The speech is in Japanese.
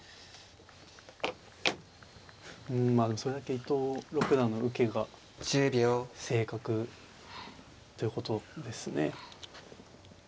うんまあでもそれだけ伊藤六段の受けが正確ということですね。